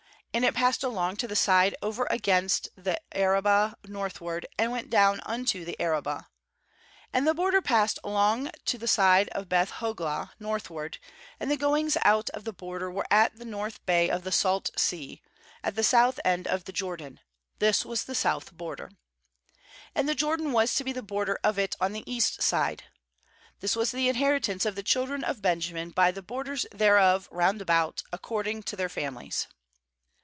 18And it passed along to the side over against the Arabah northward, and went down unto the Arabah. 19And the border passed along to the side of Beth hoglah northward; and the goings out of the border were at the north bay of the Salt Sea, at the south end of the Jor dan; this was the south border. 20And the Jordan was to be the border of it on the east side. This was the inher , itance of the children of Benjamin, by the borders thereof jround about, ac cording to their families.